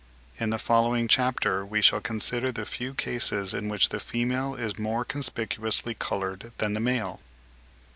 In the following chapter we shall consider the few cases in which the female is more conspicuously coloured than the male.